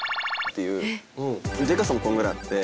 でかさもこんぐらいあって。